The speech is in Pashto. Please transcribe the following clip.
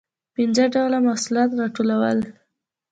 پنځه ډوله محصولات راټولول.